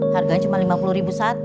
harganya cuma rp lima puluh satu